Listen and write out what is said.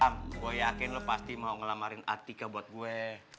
gue yakin pasti mau ngelamarin artikel buat gue